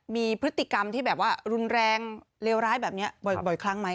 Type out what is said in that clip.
มีพฤติกรรมที่แบบว่ารุนแรงเลวร้ายแบบนี้บ่อยครั้งไหม